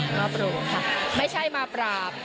มาโปรดค่ะไม่ใช่มาปราบ